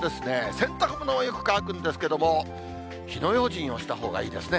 洗濯物はよく乾くんですけれども、火の用心をしたほうがいいですね。